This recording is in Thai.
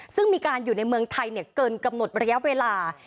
ซึ่งมีการอยู่ในเมืองไทยเกินกำหนดระยะเวลา